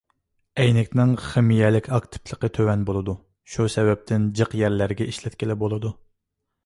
ئەينەكنىڭ خىمىيەلىك ئاكتىپلىقى تۆۋەن بولىدۇ، شۇ سەۋەبتىن جىق يەرلەرگە ئىشلەتكىلى بولىدۇ.